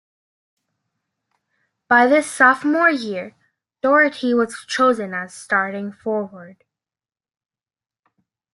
By his sophomore year, Doherty was chosen as a starting forward.